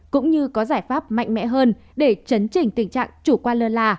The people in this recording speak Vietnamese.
cũng như có giải pháp mạnh mẽ hơn để chấn chỉnh tình trạng chủ quan lơ là